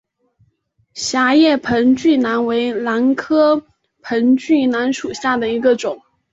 狭叶盆距兰为兰科盆距兰属下的一个种。